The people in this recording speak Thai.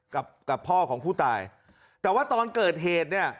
กับกับพ่อของผู้ตายแต่ว่าตอนเกิดเหตุเนี่ย